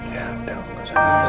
ya udah aku gak salah